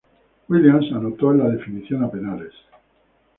Williams anotó en la definición a penales.